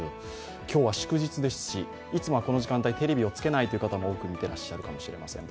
今日は祝日ですし、いつもはこの時間帯テレビをつけない方も多く見ていらっしゃるかもしれません。